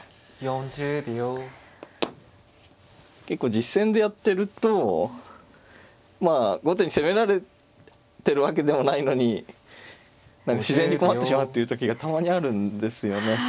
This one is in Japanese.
結構実戦でやってるとまあ後手に攻められてるわけでもないのに自然に困ってしまうという時がたまにあるんですよね。